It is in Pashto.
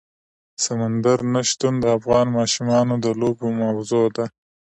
سمندر نه شتون د افغان ماشومانو د لوبو موضوع ده.